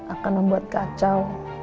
akan membuat kacau